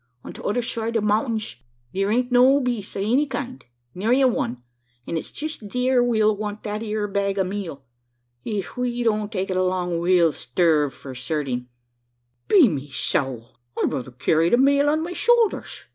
On t'other side o' the mountings, theer ain't no beests o' any kind neery one; an' its jess theer we'll want that eer bag o' meel. Ef we don't take it along, we'll sterve for certing." "Be me sowl! I'd ruther carry the male on my showlders.